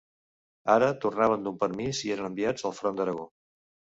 Ara tornaven d'un permís i eren enviats al front d'Aragó